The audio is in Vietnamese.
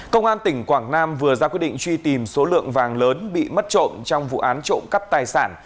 công an tỉnh quảng nam vừa ra quyết định truy tìm số lượng vàng lớn bị mất trộm trong vụ án trộm cắp tài sản